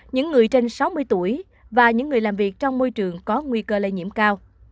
những người trên sáu mươi tuổi và những người làm việc trong môi trường có nguy cơ lây nhiễm cao